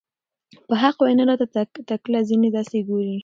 په حق وېنا راته تکله ځينې داسې ګوري